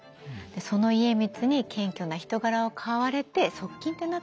その家光に謙虚な人柄を買われて側近ってなったのね。